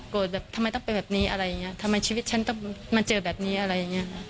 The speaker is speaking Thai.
แบบทำไมต้องเป็นแบบนี้อะไรอย่างนี้ทำไมชีวิตฉันต้องมาเจอแบบนี้อะไรอย่างนี้ค่ะ